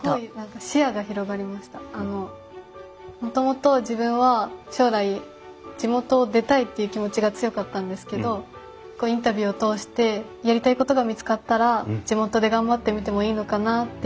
すごいあのもともと自分は将来地元を出たいっていう気持ちが強かったんですけどインタビューを通してやりたいことが見つかったら地元で頑張ってみてもいいのかなっていうふうに。